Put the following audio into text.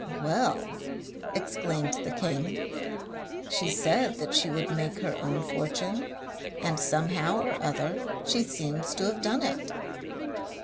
'Well,' exclaimed the king, 'she said that she would make her own fortune, and somehow or other she seems to have done it!'